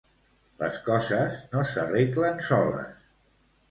Les coses no s'arreglen soles.